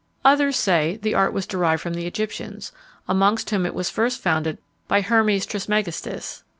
Others say, the art was derived from the Egyptians, amongst whom it was first founded by Hermes Trismegistus.